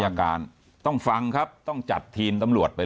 อาการต้องฟังครับต้องจัดทีมตำรวจไป